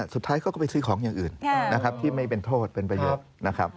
สุดท้ายเขาก็ไปซื้อของอย่างอื่นที่ไม่เป็นโทษเป็นประโยชน์